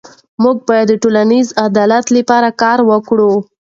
موږ باید د ټولنیز عدالت لپاره کار وکړو.